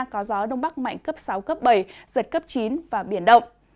có gió đông bắc mạnh cấp sáu cấp bảy giật cấp chín và biển động